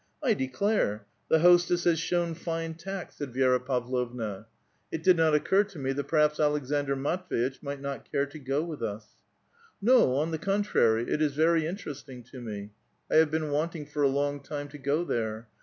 " I declare ! the hostess has shown fine tact !" said Yi^ra A VITAL QUESTION. 209 Pavlovna. It did not occur to me that perhaps Aleksandr Matv^itch might not care to go with us." " No, on the contrary, it is very interesting to me ; I have been wanting, for a long time, to go there.